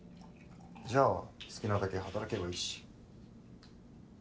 じゃあ好きなだけ働けばいいし。